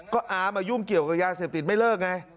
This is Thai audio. ก็อามายุ่งเกี่ยวกับยาเสพติดไม่เลิกไง